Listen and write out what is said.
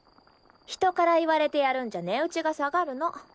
人から言われてやるんじゃ値打ちが下がるの。